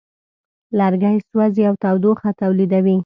لرګی سوځي او تودوخه تولیدوي.